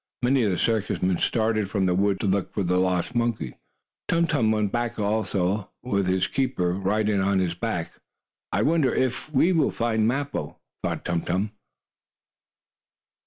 Many of the circus men started for the woods to look for the lost monkey. Tum Tum went along also, his keeper riding on his back. "I wonder if we will find Mappo?" thought Tum Tum.